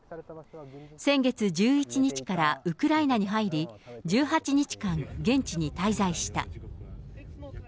先月１１日からウクライナに入り、１８日間、現地に滞在した。